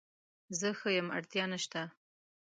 زه ښه یم اړتیا نشته